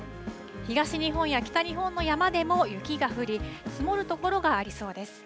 東日本や北日本の山でも雪が降り積もるところがありそうです。